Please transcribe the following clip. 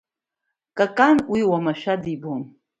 Какан уи уамашәа дибон.